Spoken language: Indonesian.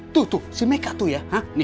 tuh tuh si meka tuh ya